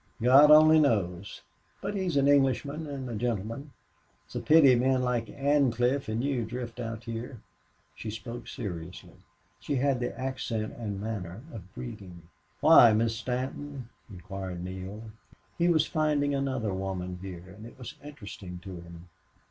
God only knows. But he's an Englishman and a gentleman. It's a pity men like Ancliffe and you drift out here." She spoke seriously. She had the accent and manner of breeding. "Why, Miss Stanton?" inquired Neale. He was finding another woman here and it was interesting to him.